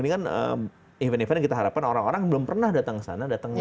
ini kan event event yang kita harapkan orang orang yang belum pernah datang ke sana datang ke sana